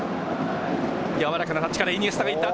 柔らかなタッチからイニエスタが行った。